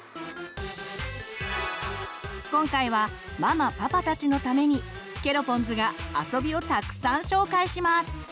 今回はママパパたちのためにケロポンズが遊びをたくさん紹介します！